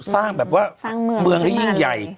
สร้างแบบว่าสร้างเมืองให้ยิ่งใหญ่